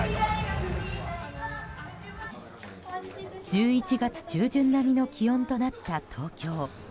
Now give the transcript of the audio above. １１月中旬並みの気温となった東京。